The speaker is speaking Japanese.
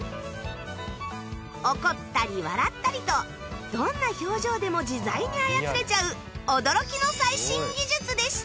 怒ったり笑ったりとどんな表情でも自在に操れちゃう驚きの最新技術でした